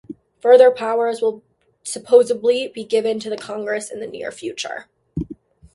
Further powers will supposedly be given to the Congress in the near future.